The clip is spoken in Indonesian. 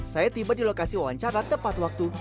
saya tiba di lokasi wawancara tepat waktu